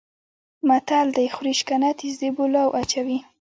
متل دی: خوري شکنه تیز د پولاو اچوي.